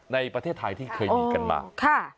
ในประเทศไทยที่เคยมีกันมา